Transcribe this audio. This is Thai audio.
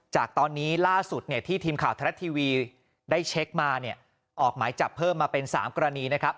จากตอนนี้ล่าสุดที่ทีมข่าวไทยรัฐทีวีได้เช็คมาเนี่ยออกหมายจับเพิ่มมาเป็น๓กรณีนะครับ